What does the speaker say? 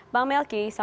bang melki selamat malam